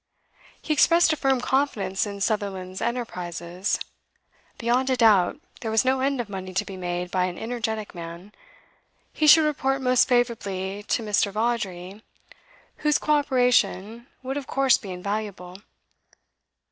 He expressed a firm confidence in Sutherland's enterprises; beyond a doubt, there was no end of money to be made by an energetic man; he should report most favourably to Mr. Vawdrey, whose co operation would of course be invaluable.